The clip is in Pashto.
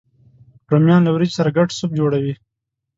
رومیان له ورېجو سره ګډ سوپ جوړوي